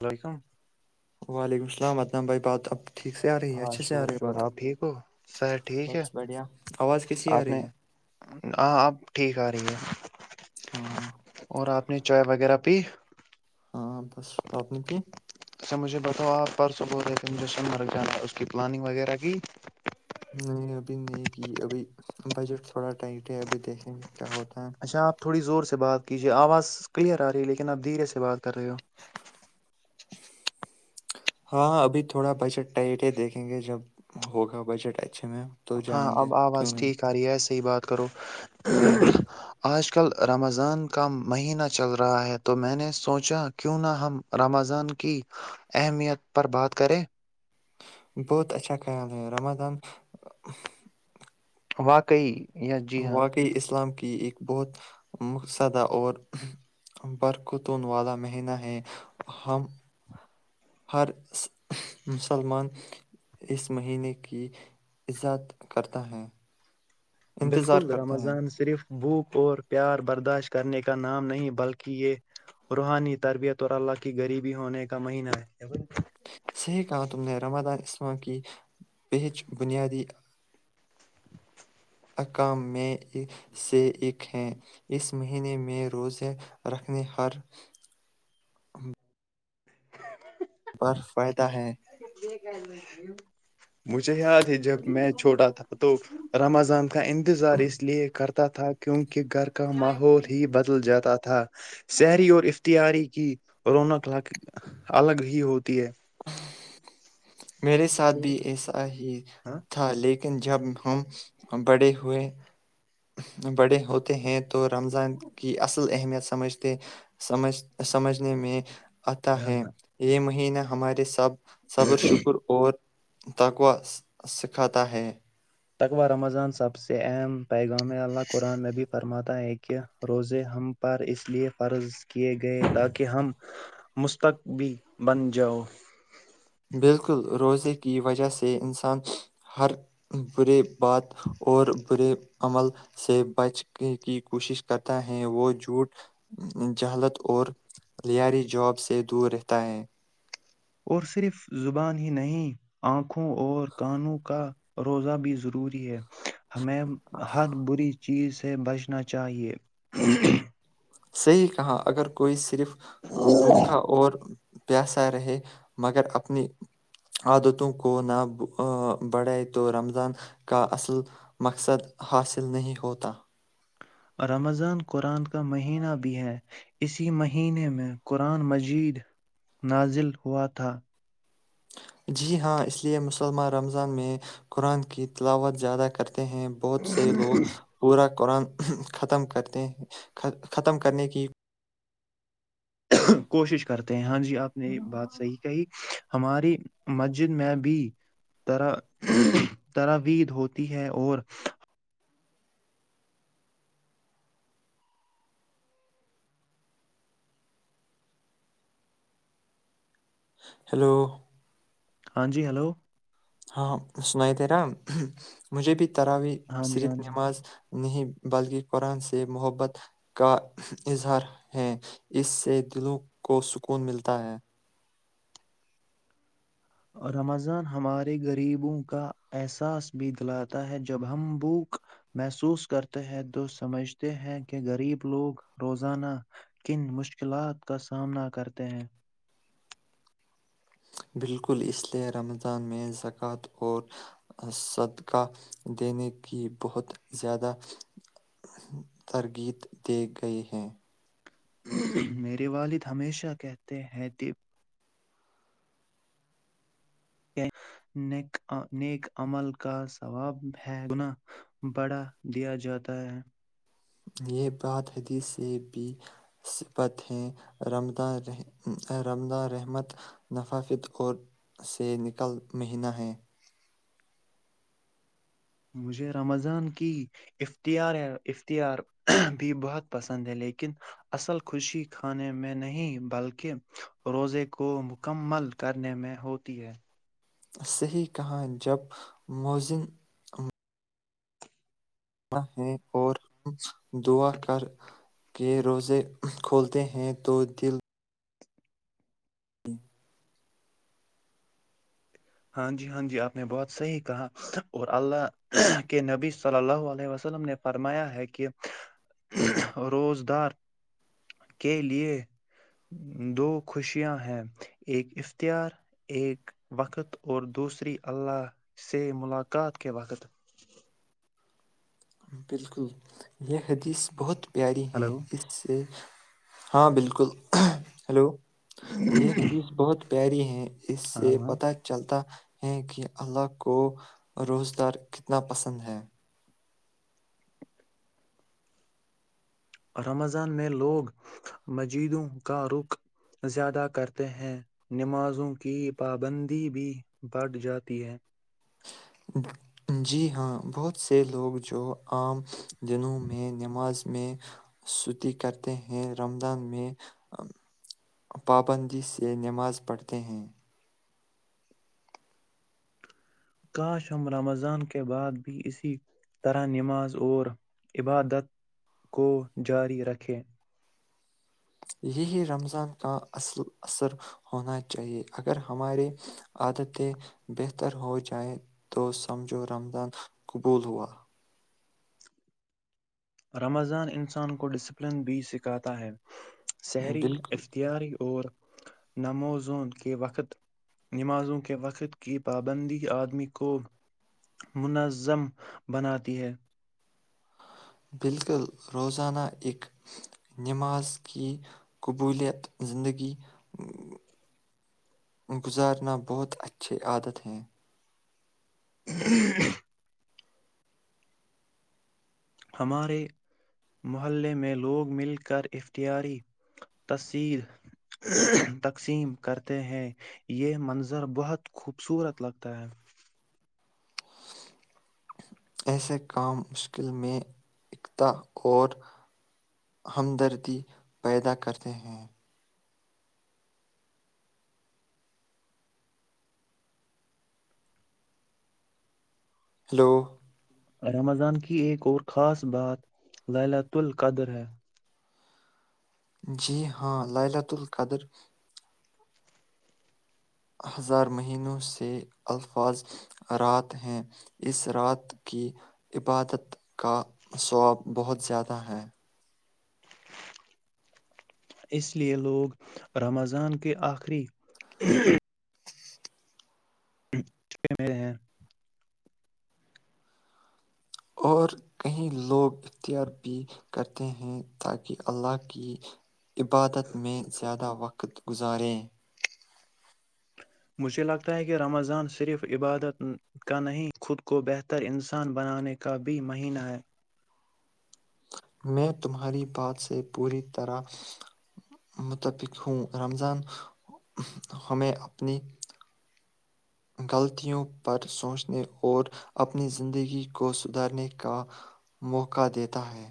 السلام علیکم وعلیکم السلام نم بائی پات اب ٹھیک سے آ رہی ہے ہاں اچھے سے آ شکر رہی ہے شکر بات آپ ٹھیک ہو سر ٹھیک ہے بس بڑھیا آواز کیسی آ آپ رہی نے ہے ہاں اب ٹھیک آ رہی ہے ہاں اپنی چائےائے وغیرہ پ ہاں بس بات نے کی سر مجھے بتاؤ آپ پرسوں بول رہے تھے مجھے سون مرگ جانا ہے اس کی پلاننگ وغیرہ کی نہیں ابھی نہیں کی ابھی بجٹ تھوڑا ٹائٹ ہے ابھی دیکھیں گے کیا ہوتا ہے اچھا آپ تھوڑی زور سے بات کیجے آواز کلیئر آ رہی ہے لیکن آپ دھیرے سے بات کر رہے ہو ہاں ابھی تھوڑا بجٹ ٹائٹ ہے دیکھیں گے جب ہوگا بجٹ آ ہاں اب آواز ٹھیک آ رہی ہے صحی بات کرو ہاں آج کل رمضان کا مہینہ چل رہا ہے تو میں نے سوچا کیوں نہ ہم رمضان کی اہمیت پر بات کریں بہت اچھا خیال ہے رمادان واقعی یا جی ہاں واقعی اسلام کے ایک بہت مقصدہ اور برختون والا مہینہ ہے ہم ہر مسلمان اس مہینے کی عزاد کرتا ہیں بالکل رمضان صرف بھوک اور پیار برداشت کرنے کا نام نہیں بلکہ یہ روحانی تربیت اور اللہ کی غریبی ہونے کا مہینہ ہے صحیح کہا تم نے رمادان اسما کی پچ بنیادی اکام میں سے ایک ہیں اس مہینے میں روزے رکھنے ہر بر فائدہ ہے یہ مجھے یاد ہے جب میں چھوٹا تھا تو رمضان کا انتظار اس لیے کرتا تھا کیونکہ کہ گھر کا ماحول ہی بدل جاتا تھا شہری اور افختیاری کی اورنا کلاق الگ ہی ہوتی ہے [unintelligible] میرے ساتھ بھی ایسا ہی ہاں تھا لیکن جب ہم بڑے ہوئے بڑے ہوتے ہیں تو رمضان کی اصل اہمیت سمجھتے سمجھنے میں آتا ہے یہ مش ہی نا ہمارے سب صبر شک تقوا سکھاتا ہے تقوہ رمضان سب سے اہم پیغام اللہ قرآن نبی فرماتا ہے کہ روزے ہم پر اس لیے فرض کے گئے تاکہ ہم مستقبی بن جاؤ [unintelligible] اور صرف زبان ہی نہیں آنکھوں اور کانوں کا روزہ بھی ضروری ہے ہمیں ہر بری چیز سے بچنا چاہیے صحیح کہاں اگر کوئی صرف با اور پیاسا رہے مگر اپنی عادتوں کو نہ بڑھائے تو رمضان کا اصل مقصد حاصل نہیں ہوتا رمضان قرآن کا مہینہ بھی ہے اسی مہینے میں قرآن مجید نازل ہوا تھا جی ہاں اس لیے مسلمان رمضان میں قرآن کی تلاوت زیادہ کرتے ہیں بہت سے لوگ پورا قرآن ختم کرنے کی کوشش کرتے ہیں ہاں جی جی آپ نے بات صحی کہی ہماری مسجد میں بھی طرح ترابید ہوتی ہے اور ہلو ہاں جی ہیلو ہاں سناائی تیرا مجھے بھی ترابی ہاں جی صرف ہاں جی نماز نہیں بلکہ قرآن سے محبت کا اظہار ہے اس سے دلوں کو سکون ملتا ہے رمضان ہمارے غریبوں کا احساس بھی دلاتا ہے جب ہم بھوک محسوس کرتے ہیں تو سمجھتے ہیں کہ غریب لوگ روزانہ کن مشکلات کا سامنا کرتے ہیں بالکل اس لئے رمضان میں زکوۃ اور صدقہ دینے کی بہت زیادہ ترغیید دیے گئی ہیں میرے والد ہمیشہ کہتے ہیں دیپ نیک عمل کا ثواب ہے گنا بڑھا دیا جاتا ہے یہ بات حدیث سے بھی سبت ہے رمداں رحمت نفافت اور سے نکل مہینہ ہے مجھے رمضان کی اختیار بھی بہت پسند ہے لیکن اصل خوشی کھانے میں نہیں بلکہ روزے کو مکمل کرنے میں ہوتی ہے صحیح کہانی جب موذن کنا ہے اور ہم دعا کر کے روزے کھولتے ہیں تو دل جی ہاں جی ہاں جی آپ نے بہت صحیح کہا اور اللہ کے نبی صلی اللہ علیہ وسلم نے فرمایا ہے کہ روزگار کے لیے دو خوشیاں ہیں ایک اختیار ایک وقت اور دوسری اللہ سے ملاقات کے وقت بالکل یہ حدیث بہت پیاری ہیں ہلو اس سے ہاں بالکل ہلو یہ حدیث بہت پیری ہیں اس ہاں سے ہاں پتا چلتا ہیں کہ اللہ کو روزدار کتنا پسند ہے رمضان میں لوگ مجیدوں کا رخ زیادہ کرتے ہیں نمازوں کی پابندی بھی بڑھ جاتی ہے جی ہاں بہت سے لوگ جو عام دنوں میں نماز میں سوتی کرتے ہیں رمضان میں پابندی سے نماز پڑھتے ہیں کاش ہم رمضان کے بعد بھی اسی طرح نماز اور عبادت کو جاری رکھیں یہی رمضان کا اصل اثر ہونا چاہیے اگر ہماری عادتیں بہتر ہو جائیں تو سمجھو رمضان قبول ہوا رمضان انسان کو ڈسپلن بھی سکھاتا ہے شحری بالکل افتیاری اور نمازوں کے وقت نمازوں کے وقت کی پابندی آدمی کو منظم بناتی ہے بالکل روزانہ ایکک نماز کی قبولیت زندگی گزارنا بہت اچھے عادت ہیں ہ ہمارے محلے میں لوگ مل کر افتیاری تصیر تقسیم کرتے ہیں یہ منظر بہت خوبصورت لگتا ہے ایسے کام مشکل میں اقتا اور ہمدردی پیدا کرتے ہیں ہلو رمضان کی ایک اور خاص بات لالات ال قدر ہے جی ہاں للۃ القدر ہزار مہینوں سے الفاظ رات ہیں اس رات کی عبادت کا ثواب بہت زیادہ ہے اس لیے لوگ رمضان کے آخری چے مے ہیں اور کئی لوگ اختیار بھی کرتے ہیں تاکہ اللہ کی عبادت میں زیادہ وقت گزاریں مجھے لگتا ہے کہ رمضان صرف عبادت کا نہیں، خود کو بہتر انسان بنانے کا بھی مہینہ ہے میں تمہاری بات سے پوری طرح متفق ہوں رمضان ہمیں اپنی غلطیوں پر سوچنے اور اپنی زندگی کو سدھارنے کا موقع دیتا ہے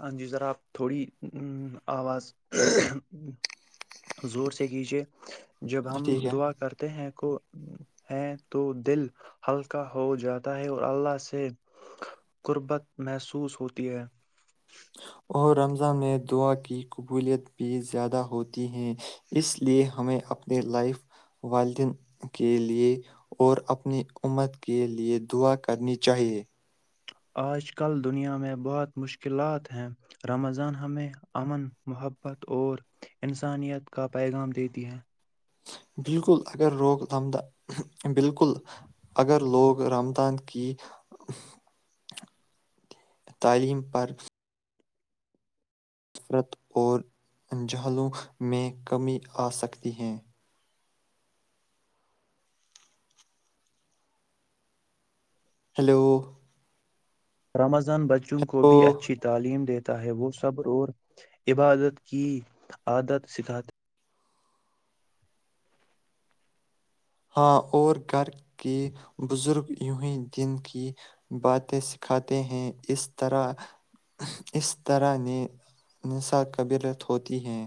ہاں جی ذرا آپ تھوڑی آواز زور سے کیجیے جب ہم ٹھیک ہے؟ دعا کرتے ہیں ہے تو دل ہلکا ہو جاتا ہے اور اللہ سے قربت محسوس ہوتی ہے اور رمضان میں دعا کی قبولیت بھی زیادہ ہوتی ہیں اس لیئے ہمیں اپنی لائف والدین کے لیے اور اپنی امت کے لئے دعا کرنی چاہیے آج کل دنیا میں بہت مشکلات ہیں رمضان ہمیں امن محبت اور انسانیت کا پیغام دیتی ہیں بالکل ا بالکل اگر لوگ رمضان کی تعلیم پر نفرت اور انجہلوں میں کمی آ سکتی ہے ہیلو رمض بچوں کو ہیلو بھی اچھی تعلیم دیتے ہے وہ صبر اور عبادت کی عادت سکھاتے ہاں اور گھر کے بزرگ یوں ہی دن کی باتیں سکھاتے ہیں اس طرح اس طرح نصقبرت ہوتی ہیں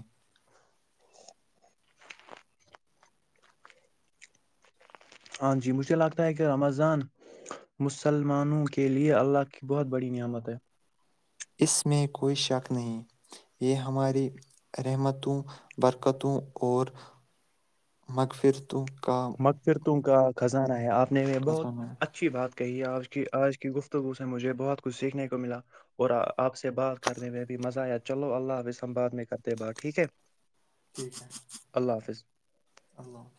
ہاں جی مجھے لگتا ہے کہ رمضان مسلمانوں کے لیے اللہ کی بہت بڑی نعمت ہے اس میں کوئی شک نہیں یہ ہماری رحمتوں برکتوں اور مغفر توم کاام مغفرتوں کا خزانہ ہے آپ میں بہت ہے اچھی بات کہیے آج کی آج کی گفتگو سے مجھے بہت کچھ سیکھنے کو ملا اور آپ سے بات کرنے میں بھی مزہ آیا چلو اللہ حاب س باد میں کرتے بات ٹھیک ہے ٹھیک ہے اللہ حافظ اللہ حافظ